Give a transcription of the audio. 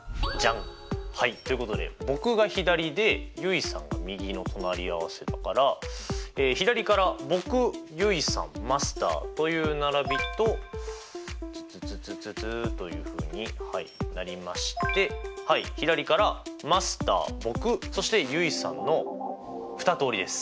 ということで僕が左で結衣さんが右の隣り合わせだから左から僕結衣さんマスターという並びとツツツツツツというふうになりまして左からマスター僕そして結衣さんの２通りです。